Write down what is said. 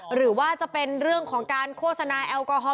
หรือว่าจะเป็นเรื่องของการโฆษณาแอลกอฮอล